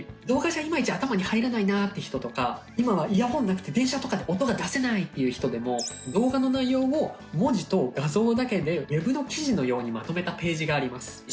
動画じゃいまいち頭に入らないなって人とか今はイヤホンなくて電車とかで音が出せないっていう人でも動画の内容を文字と画像だけでウェブの記事のようにまとめたページがあります。